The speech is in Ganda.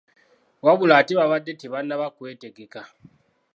Wabula ate babadde tebannaba kwetegeka.